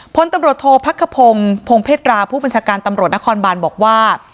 พลตำรวจโทษพักขพงศ์พงเพตราผู้บัญชาการตำรวจนครบานบอกว่า